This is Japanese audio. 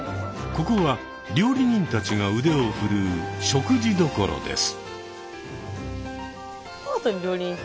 ここは料理人たちが腕を振るう食事処です。